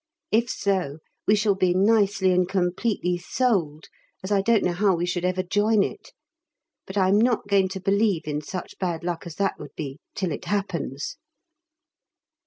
If so we shall be nicely and completely sold, as I don't know how we should ever join it. But I'm not going to believe in such bad luck as that would be till it happens.